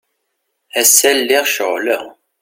Ass-a lliɣ ceɣleɣ.